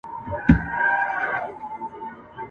را وتلی په ژوند نه وو له ځنګلونو !.